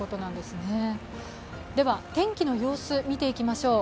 天気の様子見ていきましょう。